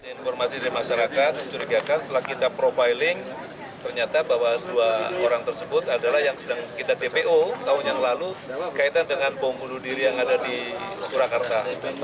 informasi dari masyarakat mencurigakan setelah kita profiling ternyata bahwa dua orang tersebut adalah yang sedang kita dpo tahun yang lalu kaitan dengan bom bunuh diri yang ada di surakarta